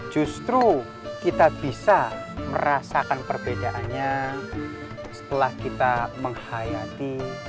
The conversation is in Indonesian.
justru kita bisa merasakan perbedaannya setelah kita menghayati